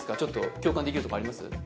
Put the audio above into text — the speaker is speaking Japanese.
共感できるところあります？